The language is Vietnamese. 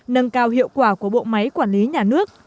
nâng cao hiệu quả của bộ máy quản lý nhà nước